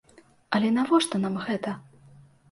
Але навошта нам гэта?